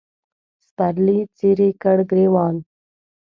سپرلي څیرې کړ ګرېوان